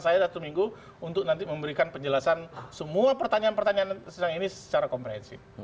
saya satu minggu untuk nanti memberikan penjelasan semua pertanyaan pertanyaan sedang ini secara komprehensif